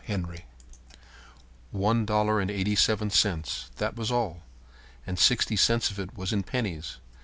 Henry One dollar and eighty seven cents. That was all. And sixty cents of it was in pennies.